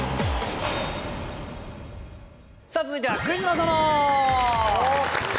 さあ続いては「クイズの園」！